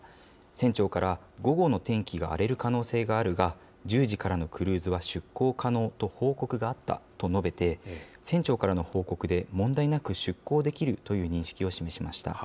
船長から、午後の天気が荒れる可能性があるが、１０時からのクルーズは出航可能と報告があったと述べて、船長からの報告で問題なく出航できるという認識を示しました。